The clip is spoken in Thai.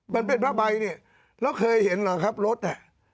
มันเป็นผ้าใบเนี่ยแล้วเคยเห็นเหรอครับรถอ่ะ